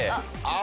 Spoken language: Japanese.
あ！